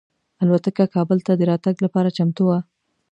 الوتکه کابل ته د راتګ لپاره چمتو وه.